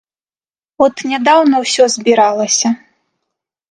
От нядаўна ўсё зрабілася.